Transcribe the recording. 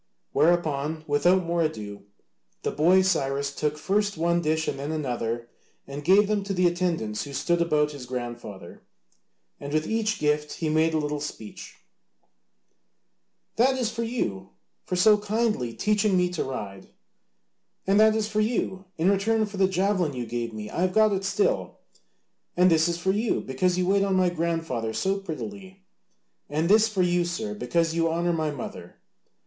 Whereupon, without more ado, the boy Cyrus took first one dish and then another and gave them to the attendants who stood about his grandfather, and with each gift he made a little speech: "That is for you, for so kindly teaching me to ride;" "And that is for you, in return for the javelin you gave me, I have got it still;" "And this is for you, because you wait on my grandfather so prettily;" "And this for you, sir, because you honour my mother."